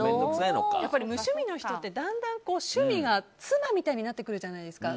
やっぱり無趣味の人ってだんだん趣味が妻みたいになるじゃないですか。